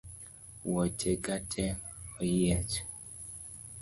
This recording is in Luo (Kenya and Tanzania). Wuoche ga tee oyiech